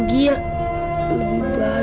kalau gak ada kamu